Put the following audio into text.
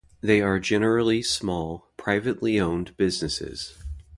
They are generally small, privately owned businesses.